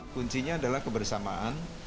kuncinya adalah kebersamaan